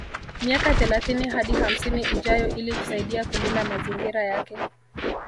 Miaka thelathini hadi hamsini ijayo ili kusaidia kulinda mazingira yake